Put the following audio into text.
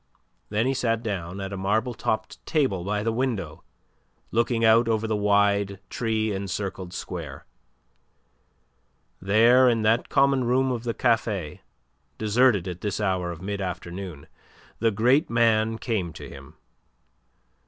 Then he sat down at a marble topped table by the window looking out over the wide tree encircled square. There, in that common room of the café, deserted at this hour of mid afternoon, the great man came to him.